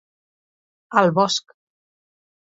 Al bosc.